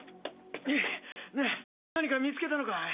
ハァハァ何か見つけたのかい？